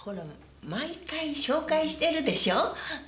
毎回紹介してるでしょう。